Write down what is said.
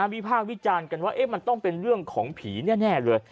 ภาควิจารณ์กันว่ามันต้องเป็นเรื่องของผีแน่เลย